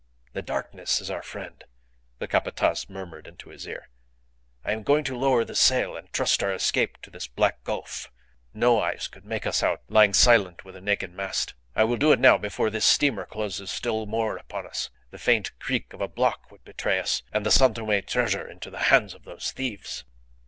"The darkness is our friend," the Capataz murmured into his ear. "I am going to lower the sail, and trust our escape to this black gulf. No eyes could make us out lying silent with a naked mast. I will do it now, before this steamer closes still more upon us. The faint creak of a block would betray us and the San Tome treasure into the hands of those thieves."